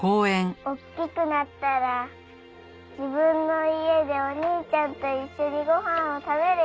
おっきくなったら自分の家でお兄ちゃんと一緒にご飯を食べるんや。